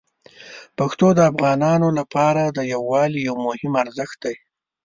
پښتو د افغانانو لپاره د یووالي یو مهم ارزښت دی.